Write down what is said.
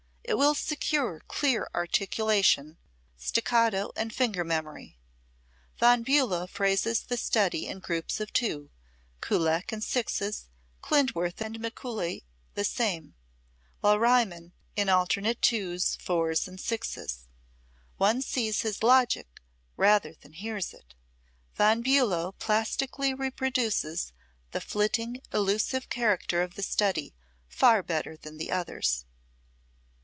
It will secure clear articulation, staccato and finger memory. Von Bulow phrases the study in groups of two, Kullak in sixes, Klindworth and Mikuli the same, while Riemann in alternate twos, fours and sixes. One sees his logic rather than hears it. Von Bulow plastically reproduces the flitting, elusive character of the study far better than the others.